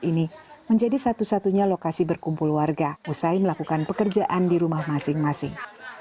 ini menjadi satu satunya lokasi berkumpul warga usai melakukan pekerjaan di rumah masing masing